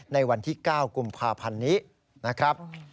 ในวันที่๙กุมภาพันธ์นี้นะครับ